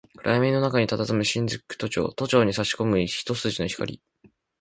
暗闇の中に佇む新宿都庁、都庁に差し込む一筋の光